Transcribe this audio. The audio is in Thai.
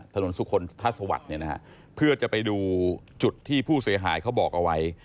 ถนนสุขนทัศน์สวัสดิ์เพื่อจะไปดูจุดที่ผู้เสียหายเขาบอกเอาไว้